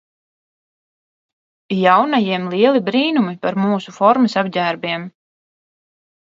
Jaunajiem lieli brīnumi par mūsu formas apģērbiem.